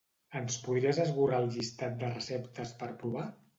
Ens podries esborrar el llistat de receptes per provar?